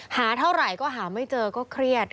หาเท่าไหร่ก็หาไม่เจอก็เครียด